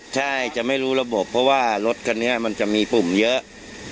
ใช่จะไม่รู้ระบบเพราะว่ารถคันนี้มันจะมีปุ่มเยอะ